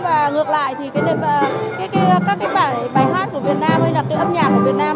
và ngược lại thì các cái bài hát của việt nam hay là cái âm nhạc của việt nam